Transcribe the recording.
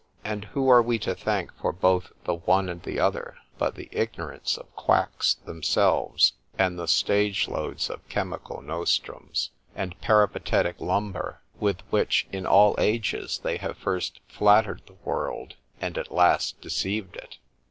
And who are we to thank for both the one and the other, but the ignorance of quacks themselves,—and the stage loads of chymical nostrums, and peripatetic lumber, with which, in all ages, they have first flatter'd the world, and at last deceived it?